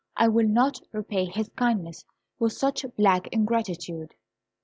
I will not repay his kindness with such black ingratitude."